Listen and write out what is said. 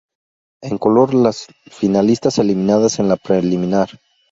En color las finalistas eliminadas en la preliminar.